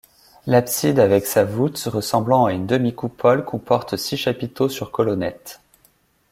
L'abside avec sa voûte ressemblant à une demi-coupole comporte six chapiteaux sur colonnettes.